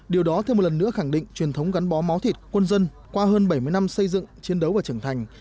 điều đó thêm một lần nữa khẳng định truyền thống gắn bó máu thịt quân dân qua hơn bảy mươi năm xây dựng chiến đấu và trưởng thành